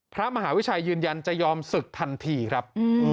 พระมหาวิชัยยืนยันจะยอมศึกทันทีครับ